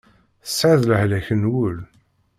Tesɛiḍ lehlak n wul.